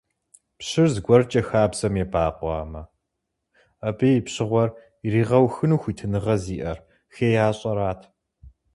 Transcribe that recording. Пщыр зыгуэркӏэ хабзэм ебэкъуамэ, абы и пщыгъуэр иригъэухыну хуитыныгъэ зиӀэр хеящӀэрат.